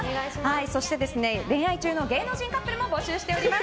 そして、恋愛中の芸能人カップルも募集しております。